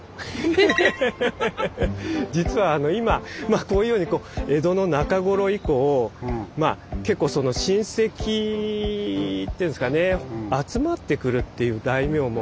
まあこういうように江戸の中頃以降結構その親戚っていうんですかね集まってくるっていう大名も結構あったんですね。